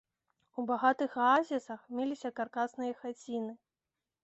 У багатых аазісах меліся каркасныя хаціны.